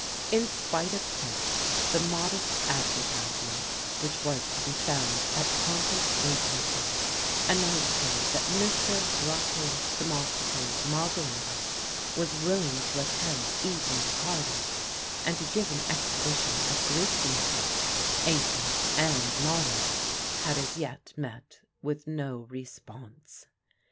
In spite of this, the modest advertisement which was to be found at concert agencies announcing that Mr. Heraclius Themistocles Margaritis was willing to attend evening parties and to give an exhibition of Greek music, ancient and modern, had as yet met with no response.